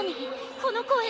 この声。